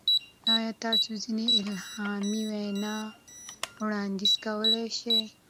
ایا تاسو ځینې الهامي وینا وړاندیز کولی شئ؟